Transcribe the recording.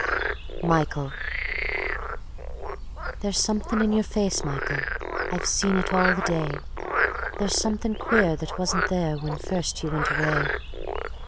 Michael "There's something in your face, Michael, I've seen it all the day; There's something quare that wasn't there when first ye wint away.